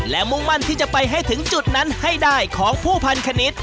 และมุ่งมั่นที่จะไปให้ถึงจุดนั้นให้ได้ของผู้พันคณิต